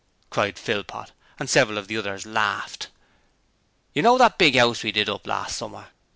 cried Philpot, and several of the others laughed. 'You know, that big 'ouse we did up last summer No.